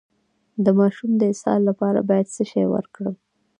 د ماشوم د اسهال لپاره باید څه شی ورکړم؟